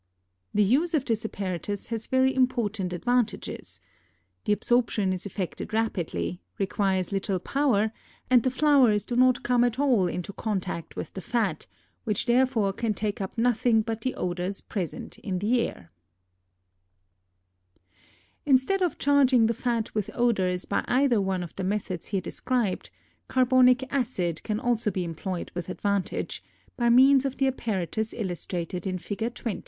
The use of this apparatus has very important advantages: the absorption is effected rapidly, requires little power, and the flowers do not come at all into contact with the fat which therefore can take up nothing but the odors present in the air. [Illustration: FIG. 19.] Instead of charging the fat with odors by either one of the methods here described, carbonic acid can also be employed with advantage, by means of the apparatus illustrated in Fig. 20.